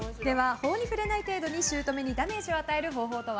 法に触れない程度に姑にダメージを与える方法とは？